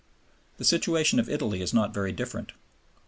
The situation of Italy is not very different.